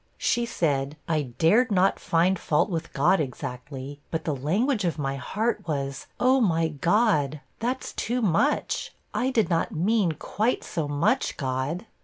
She said, 'I dared not find fault with God, exactly; but the language of my heart was, 'Oh, my God! that's too much I did not mean quite so much, God!'